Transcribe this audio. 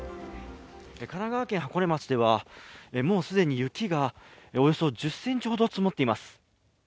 神奈川県箱根町では、もう既に雪がおよそ１０ｃｍほど積もっています。